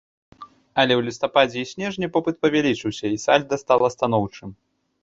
Але у лістападзе і снежні попыт павялічыўся, і сальда стала станоўчым.